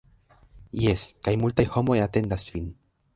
- Jes kaj multaj homoj atendas vin